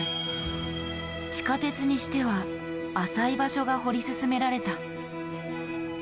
地下鉄にしては浅い場所が掘り進められた。